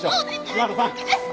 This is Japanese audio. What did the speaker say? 島野さん